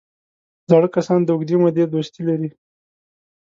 زاړه کسان د اوږدې مودې دوستي لري